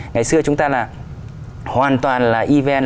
ngày xưa chúng ta là hoàn toàn là event